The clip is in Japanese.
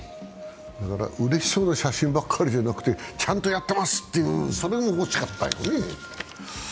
うれしそうな写真ばっかりじゃなくて、ちゃんとやってますっていう、それも欲しかったよね。